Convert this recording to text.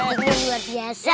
aku juga luar biasa